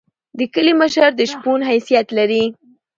د کلی مشر د شپون حیثیت لري.